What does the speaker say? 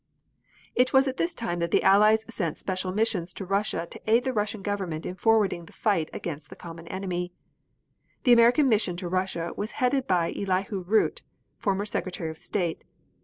It was at this time that the Allies sent special missions to Russia to aid the Russian Government in forwarding the fight against the common enemy. The American mission to Russia was headed by Elihu Root, former Secretary of State.